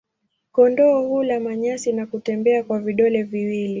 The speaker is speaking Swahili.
Kondoo hula manyasi na kutembea kwa vidole viwili.